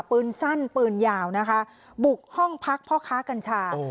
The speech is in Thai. ปืนสั้นปืนยาวนะคะบุกห้องพักพ่อค้ากัญชา